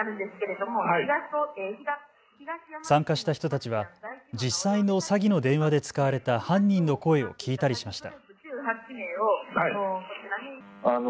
参加した人たちは実際の詐欺の電話で使われた犯人の声を聞いたりしました。